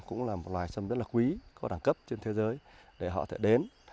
cũng là một loài sân rất là quý có đẳng cấp trên thế giới để họ có thể đến